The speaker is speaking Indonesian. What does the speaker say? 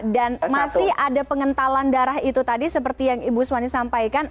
dan masih ada pengentalan darah itu tadi seperti yang ibu suwani sampaikan